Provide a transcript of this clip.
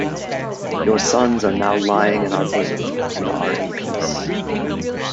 Your sons are now lying in our bosom and are in peace.